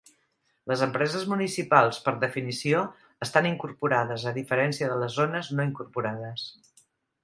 Les empreses municipals, per definició, estan incorporades, a diferència de les zones no incorporades.